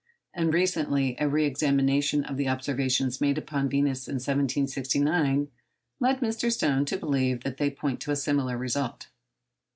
And recently a re examination of the observations made upon Venus in 1769 led Mr. Stone to believe that they point to a similar result.